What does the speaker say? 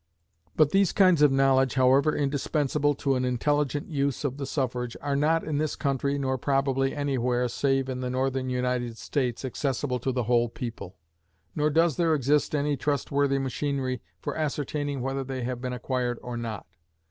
But these kinds of knowledge, however indispensable to an intelligent use of the suffrage, are not, in this country, nor probably any where save in the Northern United States, accessible to the whole people, nor does there exist any trustworthy machinery for ascertaining whether they have been acquired or not.